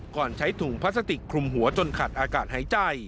ใช้ถุงพลาสติกคลุมหัวจนขาดอากาศหายใจ